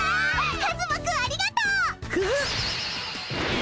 カズマくんありがとう！グッ！